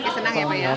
senang ya pak ya